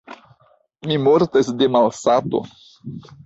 Mi mortas de malsato!